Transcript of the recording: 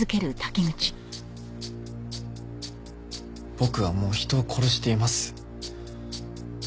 僕はもう人を殺しています。